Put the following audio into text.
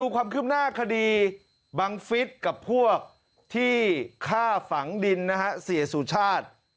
ดูความขึ้นหน้าคดีบังฟิศกับพวกที่ฆ่าฝังดินเสียสู่ชาติ